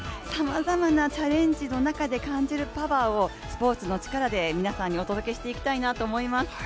さまざまなチャレンジの中で感じるパワーをスポーツの力で皆さんにお届けしていきたいなと思います。